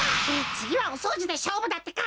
つぎはおそうじでしょうぶだってか。